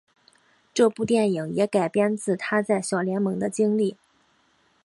这部电影也改编自他在小联盟的经历。